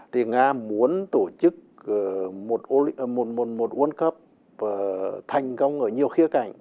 thì nga muốn tổ chức một world cup thành công ở nhiều khía cạnh